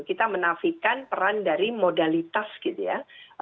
kita menafikan peran dari modalitas gitu ya